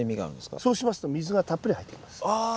そうしますと水がたっぷり入ってきます。